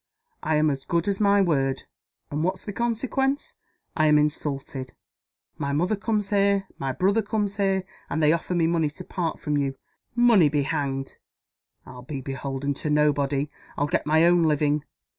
I am as good as my word. And what's the consequence? I am insulted. My mother comes here, and my brother comes here and they offer me money to part from you. Money be hanged! I'll be beholden to nobody. I'll get my own living.